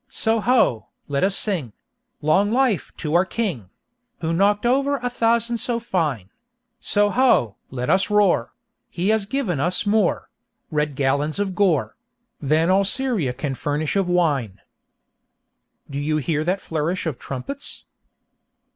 Soho!—let us sing Long life to our king, Who knocked over a thousand so fine! Soho!—let us roar, He has given us more Red gallons of gore Than all Syria can furnish of wine! "Do you hear that flourish of trumpets?"